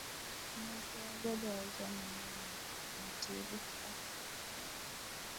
Niŋkura gba daa za nimaani n-teeri tɔɣisiri.